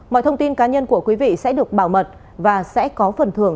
mọi thông tin cá nhân của quý vị sẽ được bảo mật và sẽ có phần thưởng